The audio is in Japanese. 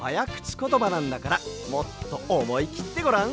ことばなんだからもっとおもいきってごらん。